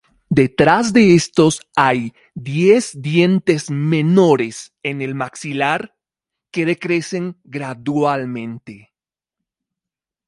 Detrás de estos hay diez dientes menores en el maxilar, que decrecen gradualmente.